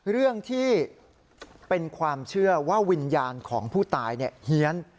เรื่องที่เป็นความเชื่อว่าวิญญาณของผู้ตายเฮียน